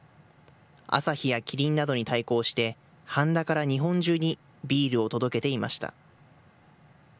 アサヒやキリンなどに対抗して半田から日本中にビールを届けていました。